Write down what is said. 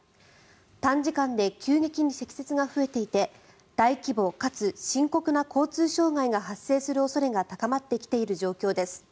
短時間で急激に積雪が増えていて大規模かつ深刻な交通障害が発生する恐れが高まってきている状況です。